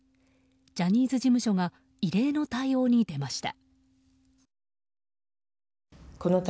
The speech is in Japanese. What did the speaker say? ジャニーズ事務所が異例の対応に出ました。